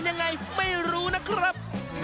นะครับ